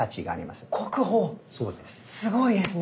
すごいですね。